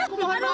eh aku mohon pak